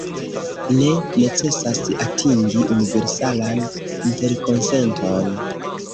Ne necesas atingi universalan interkonsenton.